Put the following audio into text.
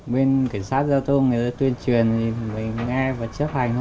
bên cảnh sát giao thông người ta tuyên truyền thì mình nghe và chấp hành